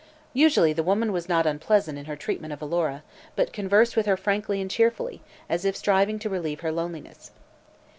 Usually the woman was not unpleasant in her treatment of Alora, but conversed with her frankly and cheerfully, as if striving to relieve her loneliness.